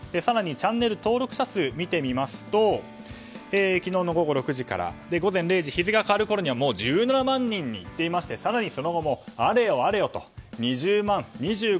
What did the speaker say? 更にチャンネル登録者数を見てみますと昨日の午後６時からで午前０時の日付が変わるころには１７万人、更にその後もあれよあれよと２５万